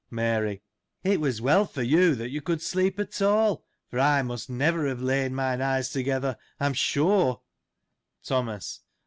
Mary. — It was well for you, that you could sleep at all, for I must never have lain mine eyes together, I am sure. Thomas.